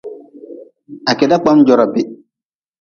Ha keda kpam jora bih.